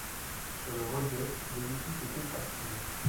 Sur le relief, l'édifice est tétrastyle.